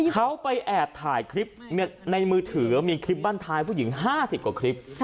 เขาไปแอบถ่ายคลิปในมือถือมีคลิปบ้านท้ายผู้หญิง๕๐กว่าคลิป